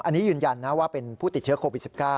อันนี้ยืนยันนะว่าเป็นผู้ติดเชื้อโควิด๑๙